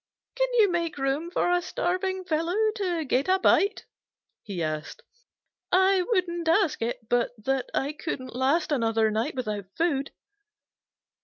"Can you make room for a starving fellow to get a bite?" he asked. "I wouldn't ask it but that I couldn't last another night without food."